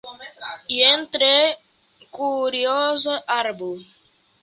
Jen tre kurioza arbo.